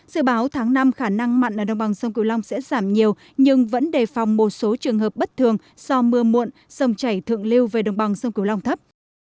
dự báo tháng năm khả năng mặn ở đồng bằng sông cửu long sẽ giảm nhiều nhưng vẫn đề phòng một số trường hợp bất thường do mưa muộn dòng chảy thượng lưu về đồng bằng sông cửu long thấp